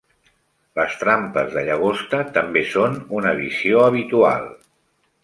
Les trampes de llagosta també són una visió habitual.